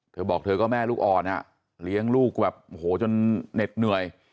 เธอบอกเธอก็แม่ลูกอ่อนอ่ะเลี้ยงลูกแบบโอ้โหจนเหน็ดเหนื่อย